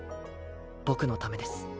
僕のためです